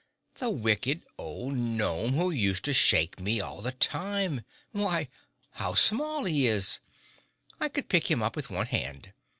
"The wicked old gnome who used to shake me all the time. Why, how small he is! I could pick him up with one hand!"